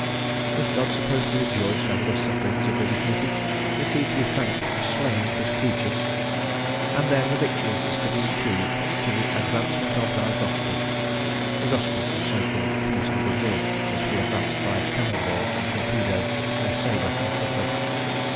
Is God supposed to rejoice over the sufferings of the defeated? Is he to be thanked for slaying his creatures? And then the victory is to be improved to the "advancement of thy gospel;" the gospel of so called peace and goodwill is to be advanced by cannon ball and torpedo, by sabre and cutlass.